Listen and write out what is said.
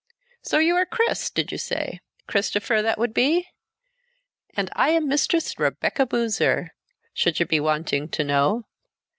"So you are Chris, did you say? Christopher, that would be? And I am Mistress Rebecca Boozer, should you be wanting to know.